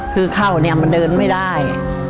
คือเข้าเนี่ยมันเดินไม่ได้